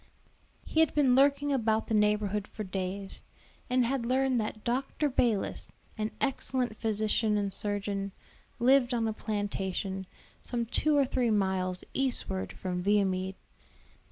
He had been lurking about the neighborhood for days, and had learned that Dr. Balis, an excellent physician and surgeon, lived on a plantation, some two or three miles eastward from Viamede.